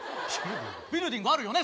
ビルディングあるよね？